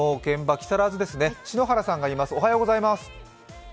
木更津市、篠原さんがいます。